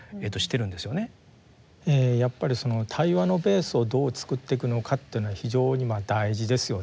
やっぱりその対話のベースをどう作っていくのかっていうのは非常に大事ですよね。